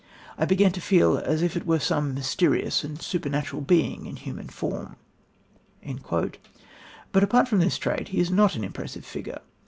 I began to feel as if it were some mysterious and superior being in human form;" but apart from this trait he is not an impressive figure.